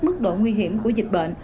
mức độ nguy hiểm của dịch bệnh